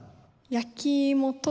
焼き芋と。